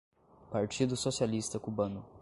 Partido Socialista cubano